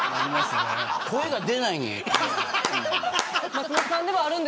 声が出ないねん。